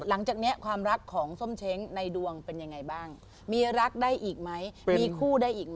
หลังจากนี้ความรักของส้มเช้งในดวงเป็นยังไงบ้างมีรักได้อีกไหมมีคู่ได้อีกไหม